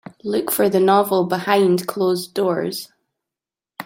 Look for the novel Behind closed doors